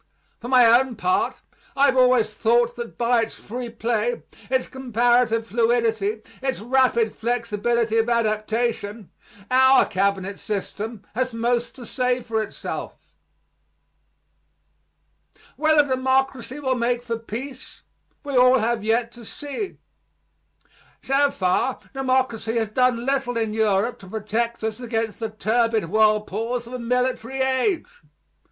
For my own part, I have always thought that by its free play, its comparative fluidity, its rapid flexibility of adaptation, our cabinet system has most to say for itself. Whether democracy will make for peace, we all have yet to see. So far democracy has done little in Europe to protect us against the turbid whirlpools of a military age.